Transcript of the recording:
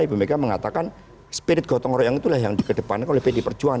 mereka mengatakan spirit gotong royong itulah yang di kedepan oleh pdi perjuangan